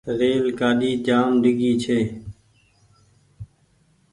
ريل گآڏي جآم ڊيگهي ڇي۔